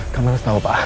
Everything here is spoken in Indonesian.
kamu harus tahu